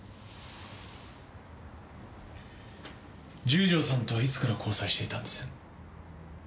十条さんとはいつから交際していたんです？